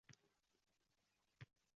Shuni yoddan chiqarmaslik lozim